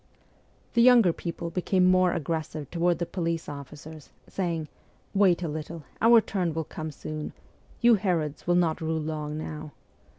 The younger people became more aggressive toward the police officers, saying :' Wait a little ; our turn will come soon : you Herods will not rule long now.'